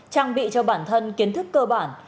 trang bị cho bản thân kiến thức cơ bản